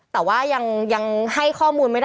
แต่ว่ายังให้ข้อมูลไม่ได้